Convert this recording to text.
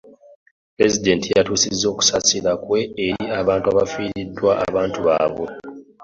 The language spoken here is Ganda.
Pulezitenti yatusiza okusasira kw'eri abantu abafiridwa abantu baabwe.